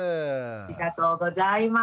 ありがとうございます。